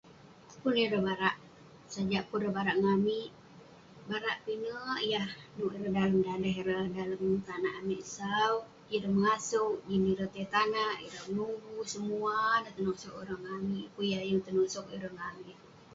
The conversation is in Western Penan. Pun ireh barak, sajak pun ireh barak ngan amik..barak pinek yah nouk ireh dalem daleh ireh, dalem tanak amik sau...ireh mengasouk, ireh tai tong tanak, ireh menuvu, semua neh tenosok ireh ngan amik..pun yah yeng tenosok ireh ngan amik.